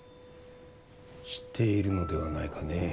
知っているのではないかね？